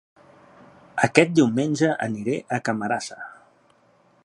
Aquest diumenge aniré a Camarasa